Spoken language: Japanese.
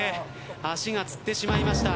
足がつってしまいました。